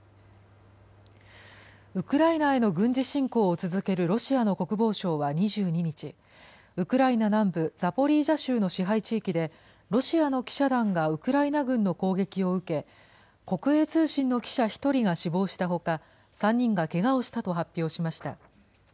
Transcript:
ウクライナへの軍事侵攻を続けるロシアの国防省は２２日、ウクライナ南部ザポリージャ州の支配地域で、ロシアの記者団がウクライナ軍の攻撃を受け、国営通信の記者１人が死亡したほか、３人がけがをしたと発表しました。